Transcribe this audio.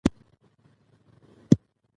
دومره سپک بلاک کړۀ